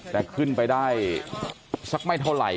แต่ขึ้นไปได้สักไม่เท่าไหร่